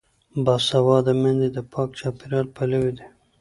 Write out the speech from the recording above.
باسواده میندې د پاک چاپیریال پلوي دي.